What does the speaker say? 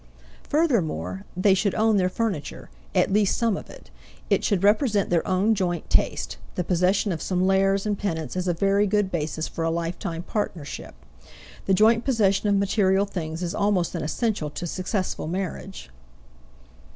Furthermore, they should own their furniture at least some of it; it should represent their own joint taste; the possession of some lares and penates is a very good basis for a lifetime partnership. The joint possession of material things is almost an essential to successful marriage.